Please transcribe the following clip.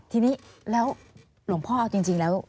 ทีนี้แล้วหลวงพ่อเอาจริงแล้ว